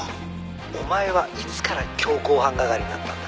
「お前はいつから強行犯係になったんだ？」